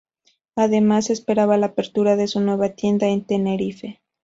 Además, se espera la apertura de su nueva tienda en Tenerife.